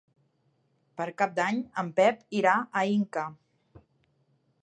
Per Cap d'Any en Pep irà a Inca.